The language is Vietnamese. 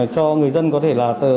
cho người dân có thể